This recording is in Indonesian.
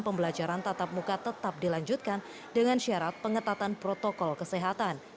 pembelajaran tatap muka tetap dilanjutkan dengan syarat pengetatan protokol kesehatan